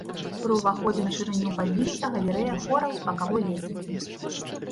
Пры ўваходзе на шырыню бабінца галерэя хораў з бакавой лесвіцай.